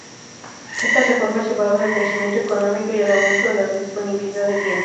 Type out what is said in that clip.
Estas reformas llevaron al crecimiento económico y al aumento de la disponibilidad de bienes.